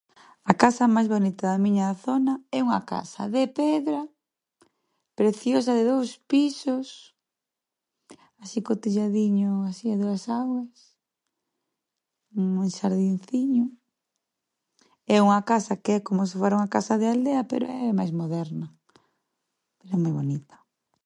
A casa máis bonita da miña zona é unha casa de pedra, preciosa, de dous pisos, así co telladiño así a dúas augas, un xardinciño. É unha casa que é como se fora unha casa de aldea, pero é máis moderna. É moi bonita.